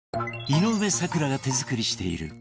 井上咲楽が手作りしている